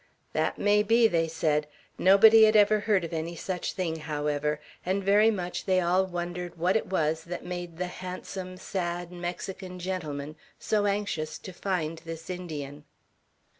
"That might be," they said; "nobody had ever heard of any such thing, however;" and very much they all wondered what it was that made the handsome, sad Mexican gentleman so anxious to find this Indian.